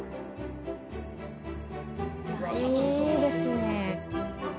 「いいですね」